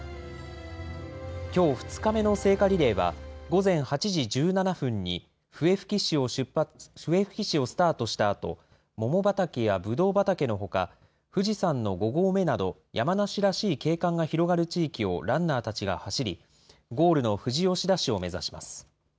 きょう２日目の聖火リレーは、午前８時１７分に笛吹市をスタートしたあと、桃畑やぶどう畑のほか、富士山の５合目など、山梨らしい景観が広がる地域をランナーたちが走り、ゴールの富士吉田市を目指します。